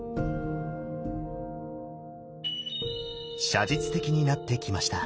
写実的になってきました。